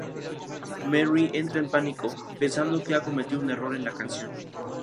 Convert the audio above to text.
Merry entra en pánico, pensando que ha cometido un error en la canción.